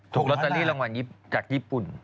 ลอตเตอรี่รางวัลจากญี่ปุ่น